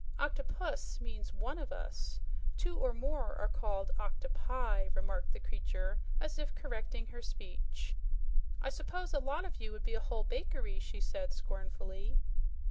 "OctoPUS means one of us; two or more are called octoPI," remarked the creature, as if correcting her speech. "I suppose a lot of you would be a whole bakery!" she said scornfully.